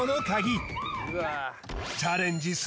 神業チャレンジ？